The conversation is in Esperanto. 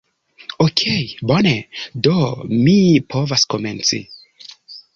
Okej' bone, do mi povas komenci